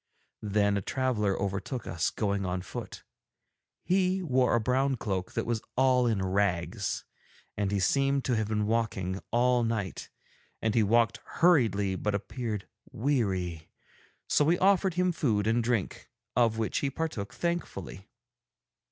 Then a traveller overtook us going on foot; he wore a brown cloak that was all in rags and he seemed to have been walking all night, and he walked hurriedly but appeared weary, so we offered him food and drink, of which he partook thankfully.